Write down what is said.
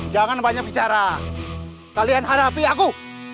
jangan banyak bicara kalian hadapi aku